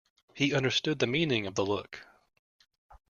He understood the meaning of the look.